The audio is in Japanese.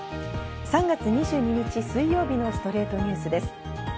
３月２２日、水曜日の『ストレイトニュース』です。